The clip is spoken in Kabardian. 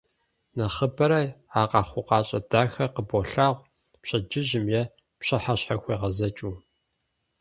Нэхъыбэрэ а къэхъукъащӏэ дахэр къыболъагъу пщэдджыжьым е пщыхьэщхьэхуегъэзэкӏыу.